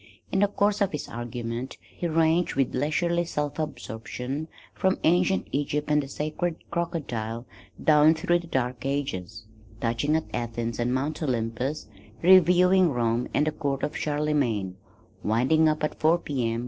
In the course of his argument he ranged with leisurely self absorption, from ancient Egypt and the sacred Crocodile down through the dark ages, touching at Athens and Mount Olympus, reviewing Rome and the court of Charlemagne, winding up at four P. M.